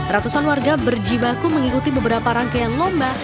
ratusan warga berjibaku mengikuti beberapa rangkaian lomba